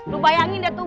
lu bayangin deh tuh